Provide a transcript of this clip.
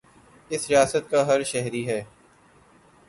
اس ریاست کا ہر شہری ہے